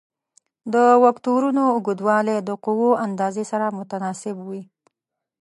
د وکتورونو اوږدوالی د قوو اندازې سره متناسب وي.